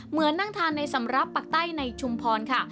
นั่งทานในสำหรับปักใต้ในชุมพรค่ะ